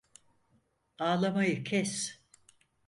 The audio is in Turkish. Ağlamayı kes!